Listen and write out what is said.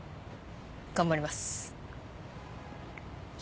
頑張ります。